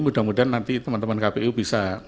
mudah mudahan nanti teman teman kpu bisa